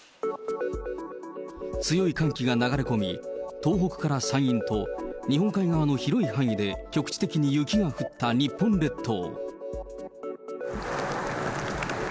強い寒気が流れ込み、東北から山陰と、日本海側の広い範囲で局地的に雪が降った日本列島。